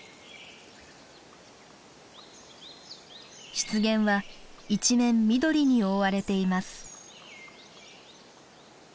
湿原は一面緑に覆われています。